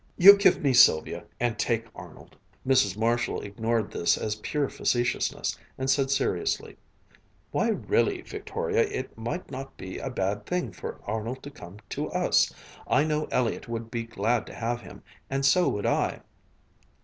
You give me Sylvia, and take Arnold." Mrs. Marshall ignored this as pure facetiousness, and said seriously: "Why really, Victoria, it might not be a bad thing for Arnold to come to us. I know Elliott would be glad to have him, and so would I."